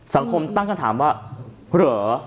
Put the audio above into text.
สังคมตั้งคำถามว่าเหรอ